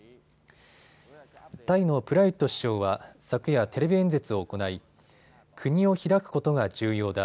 タイのプラユット首相は昨夜、テレビ演説を行い国を開くことが重要だ。